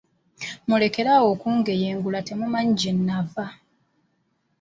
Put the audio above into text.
Mulekere awo okungeyengula temumanyi gye nnavva.